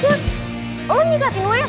jadi seharusnya lo nyikatin gue ya sedong